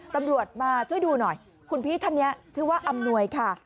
ตำรวจมาช่วยดูหน่อยคุณพี่ท่านนี้ชื่อว่าอำนวยค่ะ